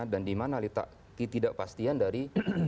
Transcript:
dan di mana letak ketidakpastian dari